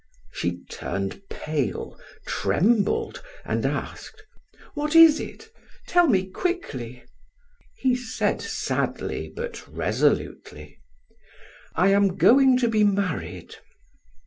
She turned pale, trembled, and asked: "What is it? Tell me quickly." He said sadly but resolutely: "I am going to be married."